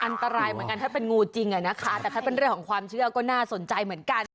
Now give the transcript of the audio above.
อันตรายเหมือนกันถ้าเป็นงูจริงอะนะคะแต่ถ้าเป็นเรื่องของความเชื่อก็น่าสนใจเหมือนกัน